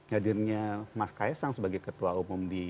hadirnya mas kaisang sebagai ketua umum di